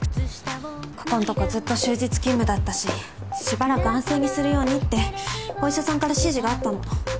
ここんとこずっと終日勤務だったししばらく安静にするようにってお医者さんから指示があったの。